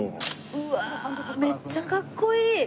うわあめっちゃかっこいい！